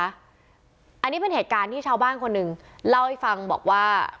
อันนี้เป็นเหตุการณ์ที่ชาวบ้านคนหนึ่งเล่าให้ฟังบอกว่า